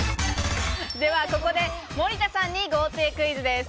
では、ここで森田さんに豪邸クイズです。